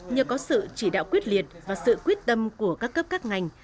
nhờ có sự chỉ đạo quyết liệt và sự quyết tâm của các cấp các ngành